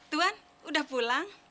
tuan udah pulang